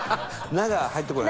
「な」が入ってこない？